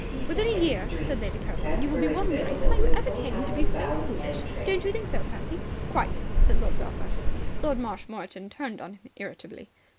"Within a year," said Lady Caroline, "you will be wondering how you ever came to be so foolish. Don't you think so, Percy?" "Quite," said Lord Belpher. Lord Marshmoreton turned on him irritably.